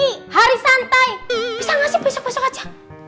bisa gak sih besok besok aja